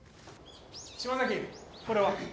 島崎これは？